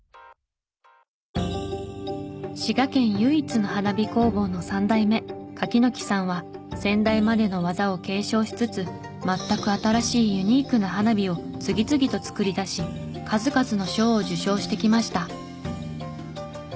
滋賀県唯一の花火工房の３代目柿木さんは先代までの技を継承しつつ全く新しいユニークな花火を次々と作り出し数々の賞を受賞してきました。